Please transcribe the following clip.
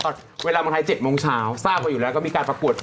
เวลาเมืองไทย๗โมงเช้าทราบมาอยู่แล้วก็มีการประกวด